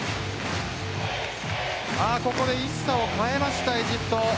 ここでイッサを代えましたエジプト。